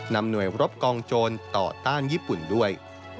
นำหน่วยรบกองโจรต่อต้านญี่ปุ่นด้วย